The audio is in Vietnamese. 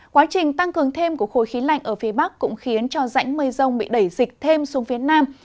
quá trình tăng cường thêm của khối khí lạnh ở phía bắc cũng khiến cho rãnh mây rông bị đẩy dịch thêm xuống phía nam